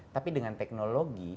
tapi dengan teknologi